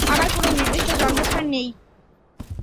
আমার কোন নির্দিষ্ট জন্মস্থান নেই।